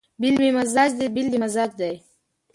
بېل مې مزاج دی بېل دې مزاج دی